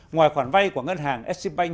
ngoài khoản vay của ngân hàng exxonbank